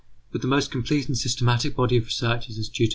] But the most complete and systematic body of researches is due to M.